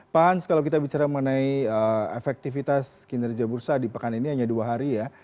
pak hans kalau kita bicara mengenai efektivitas kinerja bursa di pekan ini hanya dua hari ya